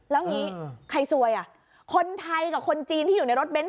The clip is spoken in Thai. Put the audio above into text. แล้วงี้ใครซวยอ่ะคนไทยกับคนจีนที่อยู่ในรถเบนท